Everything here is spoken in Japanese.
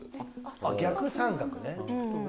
逆三角ね。